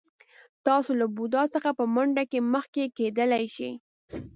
تاسو له بوډا څخه په منډه کې مخکې کېدلی شئ.